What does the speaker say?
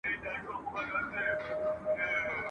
زموږ نیکونو دا ویلي له پخوا دي ..